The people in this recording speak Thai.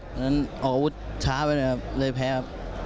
วันนั้นเอาอาวุธช้าไปเลยแพ้ครับ